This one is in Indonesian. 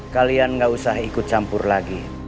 kalian gak usah ikut campur lagi